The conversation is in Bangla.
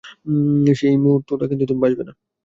সেই মুহূর্তটা কিন্তু তুমি বাছবে না।